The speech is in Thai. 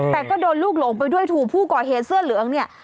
แต่ก็โดนลูกหลงไปด้วยถูกผู้ก่อเหตุเสื้อเหลืองเนี่ย